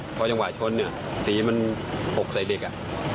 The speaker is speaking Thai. พอจังหวะชนเนี่ยสีมันหกใส่เด็กอ่ะ